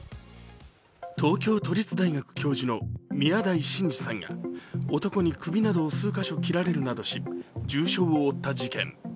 東京都立大学教授の宮台真司さんが男に首などを数か所切られるなどし重傷を負った事件。